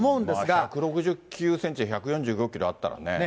１６９センチで１４５キロあったらね。